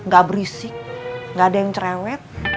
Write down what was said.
gak berisik nggak ada yang cerewet